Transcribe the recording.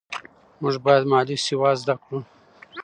موږ باید مالي سواد زده کړو.